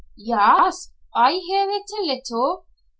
"Yas, I hear it a little.